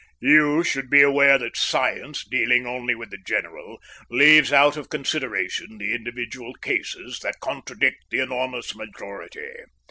"You should be aware that science, dealing only with the general, leaves out of consideration the individual cases that contradict the enormous majority.